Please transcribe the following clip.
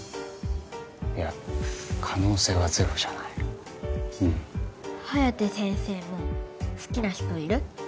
いや可能性はゼロじゃないうん颯先生も好きな人いる？